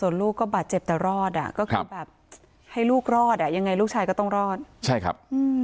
ลูกก็บาดเจ็บแต่รอดอ่ะก็คือแบบให้ลูกรอดอ่ะยังไงลูกชายก็ต้องรอดใช่ครับ